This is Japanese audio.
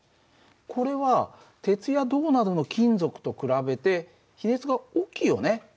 これは鉄や銅などの金属と比べて比熱が大きいよね。